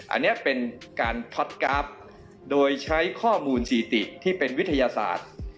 อันนี้เป็นการท็อตกราฟโดยใช้ข้อมูลสถิติที่เป็นวิทยาศาสตร์